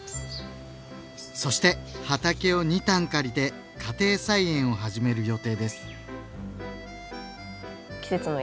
そして畑を２反借りて家庭菜園を始める予定です。